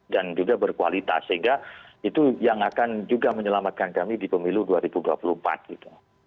dan juga berkualitas sehingga itu yang akan juga menyelamatkan kami di pemilu dua ribu dua puluh empat gitu